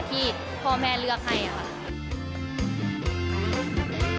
ที่พ่อแม่เลือกให้ค่ะ